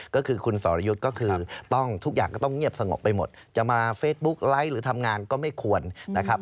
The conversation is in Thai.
ก็คือคุณสรยุทธ์ก็คือต้องทุกอย่างก็ต้องเงียบสงบไปหมดจะมาเฟซบุ๊กไลค์หรือทำงานก็ไม่ควรนะครับ